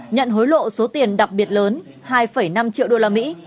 nhận hối lộ số tiền đặc biệt lớn hai năm triệu đô la mỹ